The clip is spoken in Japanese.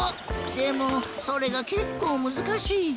でもそれがけっこうむずかしい。